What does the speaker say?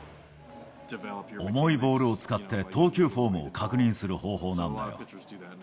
重いボールを使って投球フォームを確認する方法なんだ。